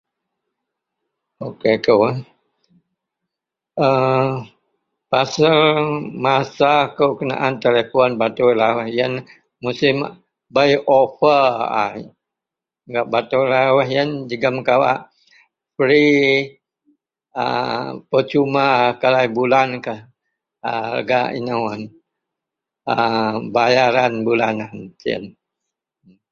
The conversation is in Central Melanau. .....[aaa]...Pasal masa akou kenaan telefon batoi lawus iyenlah musim bei ofa a gak batoi lawus iyenlah .. jegum kawak free ...[aaa]...percuma kalai bulan, kah...[aaa].. gak eno ...aaa bayaran bulanan siyen.